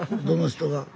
どの人が？